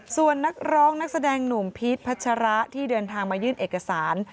ส่วนนักร้องนักแสดงหนุ่มพีชพัชระที่เดินทางมายื่นเอกสาร